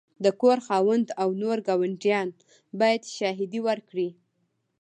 د کور خاوند او نور ګاونډیان باید شاهدي ورکړي.